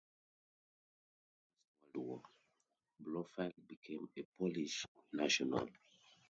After the First World War, Blofeld became a Polish national.